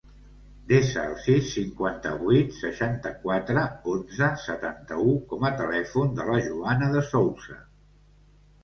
Desa el sis, cinquanta-vuit, seixanta-quatre, onze, setanta-u com a telèfon de la Joana De Sousa.